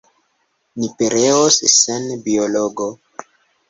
Ni pereos sen biologo!